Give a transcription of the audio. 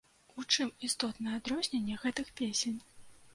У чым істотнае адрозненне гэтых песень?